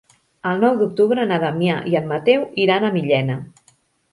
El nou d'octubre na Damià i en Mateu iran a Millena.